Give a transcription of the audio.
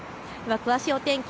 詳しいお天気